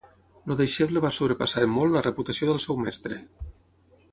El deixeble va sobrepassar en molt la reputació del seu mestre.